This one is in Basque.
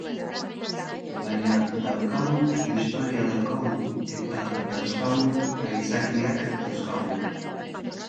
Baina daukagun historia daukagu, eta dauzkagun aitzakiak dauzkagu.